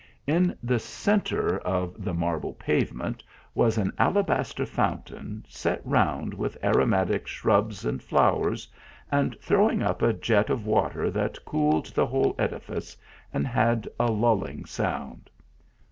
In the centre of the marble pavement, was an alabaster fountain, set round with aromatic shrubs and flowers, and throwing up a jet of water that cooled the whole edifice and had a lulling sound.